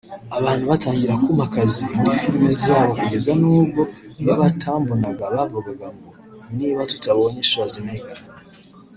abantu batangira kumpa akazi muri film zabo kugeza n’ubwo iyo batambonaga bavugaga ngo niba tutabonye Schwarzenegger